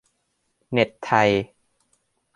เน็ตไทย